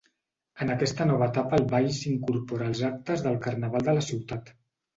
En aquesta nova etapa el Ball s’incorpora als actes del Carnaval de la ciutat.